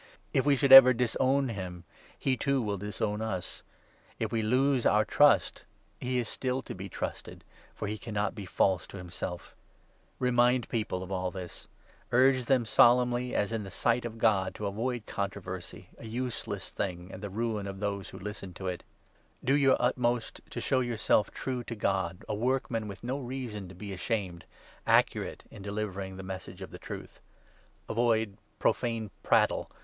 If we should ever disown him, he, too, will disown us. If we lose 13 our trust, he is still to be trusted, for he cannot be false to himselfl' The Dancer of Remind people of all this ; urge them solemnly, 14 controversy, as in the sight of God, to avoid controversy, a useless thing and the ruin of those who listen to it. Do your 15 II. TIMOTHY, 2 3. 419 utmost to show yourself true to God, a workman with no reason to be ashamed, accurate in delivering the Message of the Truth. Avoid profane prattle.